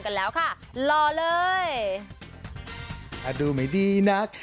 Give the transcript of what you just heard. ถาดูไม่ดีนัก